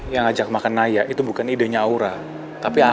sampai jumpa di video selanjutnya